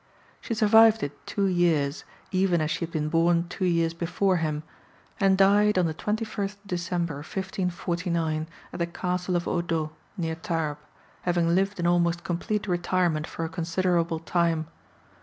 She survived it two years, even as she had been born two years before him, and died on the 21 st December 1549, at the Castle of Odos, near Tarbes, having lived in almost complete retirement for a considerable time.